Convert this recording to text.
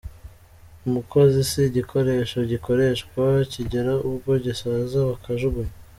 "Umukozi si igikoresho gikoreshwa kigera ubwo gisaza bakajugunya.